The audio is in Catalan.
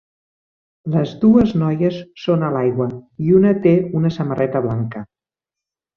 Les dues noies són a l'aigua i una té una samarreta blanca